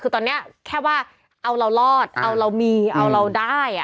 คือตอนนี้แค่ว่าเอาเรารอดเอาเรามีเอาเราได้